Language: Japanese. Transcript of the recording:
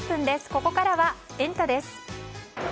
ここからは、エンタ！です。